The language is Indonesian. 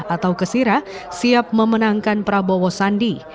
atau kesira siap memenangkan prabowo sandi